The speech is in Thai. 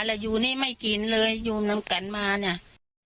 แล้วอยู่นี่ไม่กินเลยอยู่น้ำกันมาเนี่ย